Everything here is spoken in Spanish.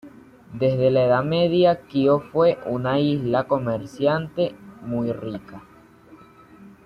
Desde la Edad Media, Quíos fue una isla comerciante muy rica.